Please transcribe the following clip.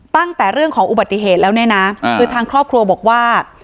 ตั้งแต่เรื่องของอุบัติเหตุแล้วเนี่ยนะคือทางครอบครัวบอกว่า